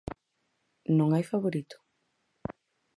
Non hai favorito.